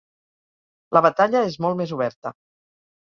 La batalla és molt més oberta.